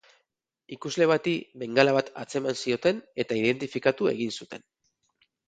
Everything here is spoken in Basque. Ikusle bati bengala bat atzeman zioten eta identifikatu egin zuten.